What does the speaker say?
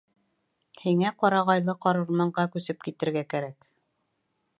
— Һиңә ҡарағайлы ҡарурманға күсеп китергә кәрәк.